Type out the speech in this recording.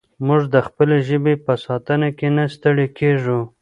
موږ د خپلې ژبې په ساتنه کې نه ستړي کېږو.